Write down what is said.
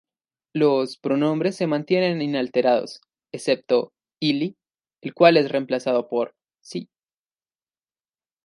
Los pronombres se mantienen inalterados, excepto ""ili"", el cual es reemplazado por ""zi"".